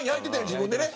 自分でね。